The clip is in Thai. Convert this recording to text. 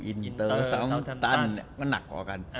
อินอินเตอร์ซัวน์ตันน่ะก็หนักกว่ากัน